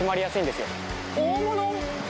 大物！